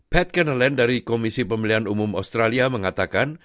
pat kennelland dari komisi pemilihan umum australia mengatakan